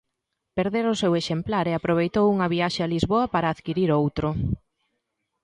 Perdera o seu exemplar e aproveitou unha viaxe a Lisboa para adquirir outro.